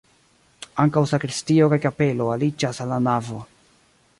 Ankaŭ sakristio kaj kapelo aliĝas al la navo.